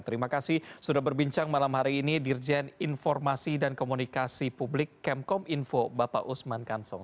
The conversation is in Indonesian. terima kasih sudah berbincang malam hari ini dirjen informasi dan komunikasi publik kemkom info bapak usman kansong